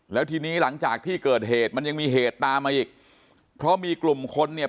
แล้วทีนี้หลังจากที่เกิดเหตุมันยังมีเหตุตามมาอีกเพราะมีกลุ่มคนเนี่ย